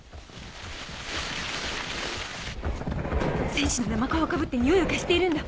戦士の生皮をかぶってにおいを消しているんだ！